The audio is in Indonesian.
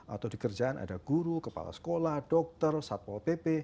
atau dikerjaan ada guru kepala sekolah dokter satpol pp